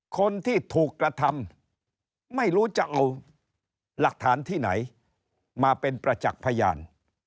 คนที่ถูกกระทำไม่รู้จะเอาหลักฐานที่ไหนมาเป็นประจักษ์พยาน